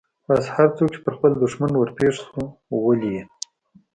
بس هرڅوک چې پر خپل دښمن ورپېښ سو ولي يې.